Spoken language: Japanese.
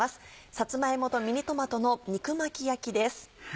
「さつま芋とミニトマトの肉巻き焼き」です。